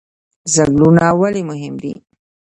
ځنګلونه ولې مهم دي؟